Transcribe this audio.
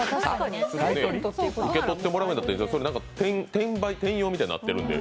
受け取ってもらうなら転用みたいになってるんで。